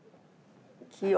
器用。